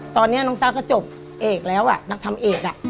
ตอนนี้น้องต้าก็จบเอกแล้วนักทำเอก